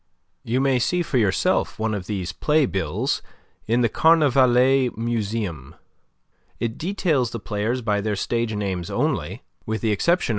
You may see for yourself one of these playbills in the Carnavalet Museum. It details the players by their stage names only, with the exception of M.